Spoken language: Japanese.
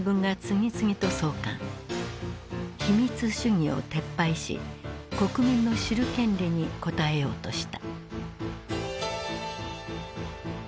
秘密主義を撤廃し国民の知る権利に応えようとした。